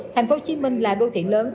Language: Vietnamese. tp hcm là đô thị lớn